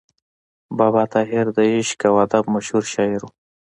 بابا طاهر د عشق او ادب مشهور شاعر و.